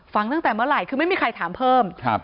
ตั้งแต่เมื่อไหร่คือไม่มีใครถามเพิ่ม